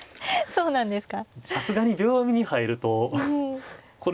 そうなんですよね。